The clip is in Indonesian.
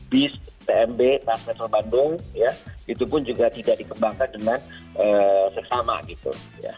bis pmb transnetel bandung ya itu pun juga tidak dikembangkan dengan sesama gitu